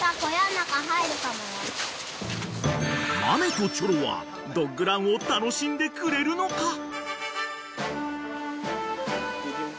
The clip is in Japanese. ［マメとチョロはドッグランを楽しんでくれるのか？］